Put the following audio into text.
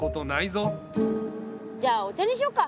じゃあお茶にしよっか？